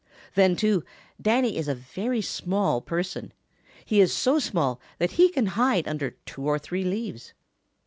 Then, too, Danny is a very small person. He is so small that he can hide under two or three leaves.